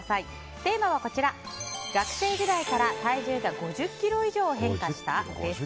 テーマは、学生時代から体重が５０ｋｇ以上変化した？です。